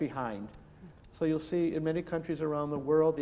jadi anda akan melihat di beberapa negara di seluruh dunia